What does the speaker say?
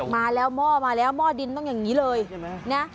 มาแล้วหม้อมาแล้วหม้อดินต้องอย่างนี้เลยนะ